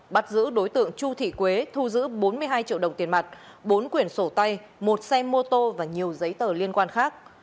bắt giữ đối tượng chu thị quế thu giữ bốn mươi hai triệu đồng tiền mặt bốn quyển sổ tay một xe mô tô và nhiều giấy tờ liên quan khác